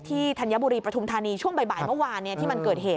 ธัญบุรีปฐุมธานีช่วงบ่ายเมื่อวานที่มันเกิดเหตุ